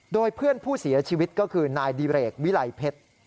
โดยเพื่อนผู้เสียชีวิตก็คือนายดิเรกวิไลเพชร